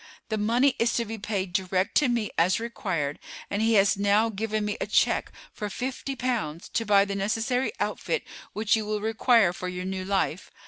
The money is to be paid direct to me as required, and he has now given me a check for fifty pounds to buy the necessary outfit which you will require for your new life.